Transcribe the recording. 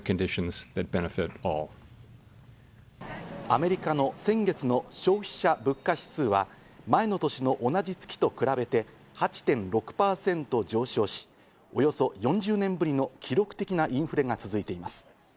アメリカの先月の消費者物価指数は、前の年の同じ月と比べて８．６％上昇し、およそ４０年ぶりの記録的なインフレが続いています。